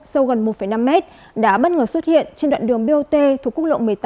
sâu gần một năm mét đã bất ngờ xuất hiện trên đoạn đường bot thuộc quốc lộ một mươi tám